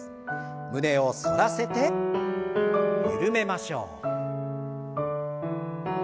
胸を反らせて緩めましょう。